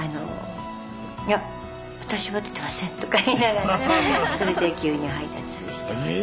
「いや私は出てません」とか言いながらそれで牛乳配達してましたね。